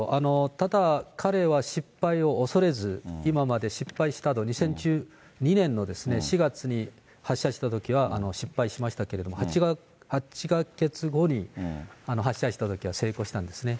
ただ、彼は失敗を恐れず、今まで失敗したあと、２０１２年の４月に発射したときは失敗しましたけれども、８か月後に発射したときは成功したんですね。